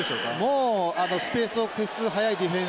もうスペースを崩す早いディフェンス。